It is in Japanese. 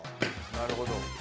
なるほど。